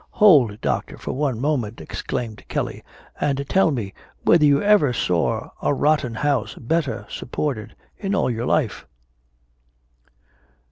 "Hold, Doctor, for one moment!" exclaimed Kelly, "and tell me, whether you ever saw a rotten house better supported in all your life."